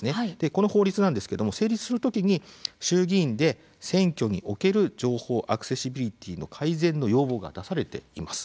この法律なんですけども成立する時に衆議院で選挙における情報アクセシビリティの改善の要望が出されています。